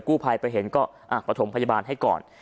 กู้ภัยไปเห็นก็ประถมพยาบาลให้ก่อน